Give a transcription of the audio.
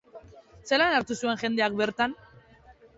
Zelan hartu zuen jendeak bertan?